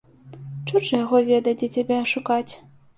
Чорт жа яго ведаў, дзе цябе шукаць.